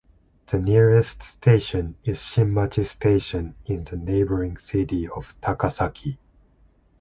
The nearest station is Shinmachi Station in the neighboring city of Takasaki.